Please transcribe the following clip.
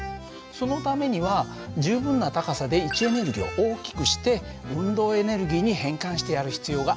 そのためには十分な高さで位置エネルギーを大きくして運動エネルギーに変換してやる必要があるんだね。